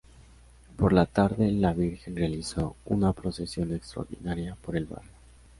Por la tarde, la Virgen realizó una procesión extraordinaria por el barrio.